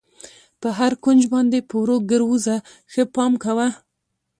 پر هر کونج باندې په ورو ګر وځه، ښه پام کوه.